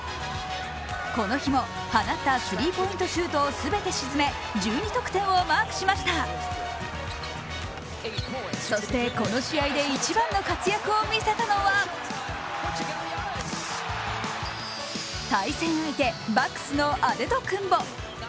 この日も放ったスリーポイントシュートを全て沈め、１２得点をマークしましたそして、この試合で一番の活躍を見せたのは対戦相手バックスのアデトクンボ。